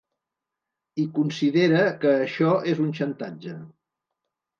I considera que això és un xantatge.